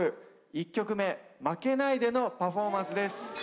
１曲目『負けないで』のパフォーマンスです。